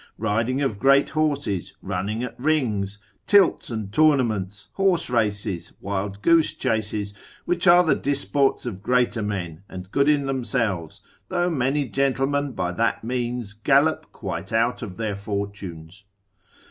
Riding of great horses, running at rings, tilts and tournaments, horse races, wild goose chases, which are the disports of greater men, and good in themselves, though many gentlemen by that means gallop quite out of their fortunes.